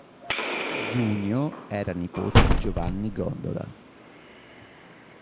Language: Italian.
Giunio era nipote di Giovanni Gondola.